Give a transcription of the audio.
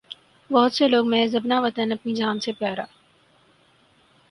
بہت سے لوگ محض اپنا وطن اپنی جان سے پیا را